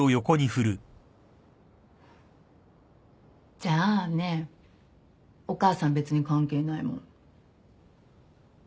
じゃあねお母さん別に関係ないもん。